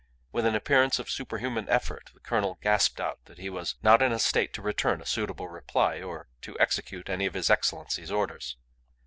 With an appearance of superhuman effort the colonel gasped out that he was not in a state to return a suitable reply or to execute any of his Excellency's orders.